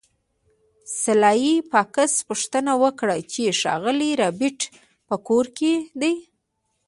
سلای فاکس پوښتنه وکړه چې ښاغلی ربیټ په کور کې دی